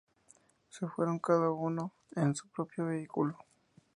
Se fueron cada uno en su propio vehículo.